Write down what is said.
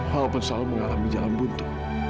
walaupun selalu mengalami jalan buntu